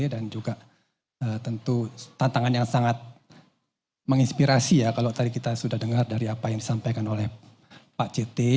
dan juga tentu tantangan yang sangat menginspirasi ya kalau tadi kita sudah dengar dari apa yang disampaikan oleh pak citi